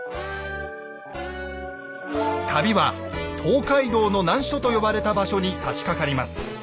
旅は東海道の難所と呼ばれた場所にさしかかります。